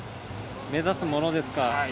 目指すものですか。